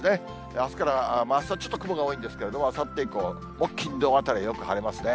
あすから、あすはちょっと雲が多いんですけれども、あさって以降、木、金、土あたりはよく晴れますね。